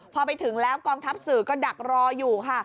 พอไปถึงแล้วกองทัพสื่อก็ดักรออยู่ค่ะ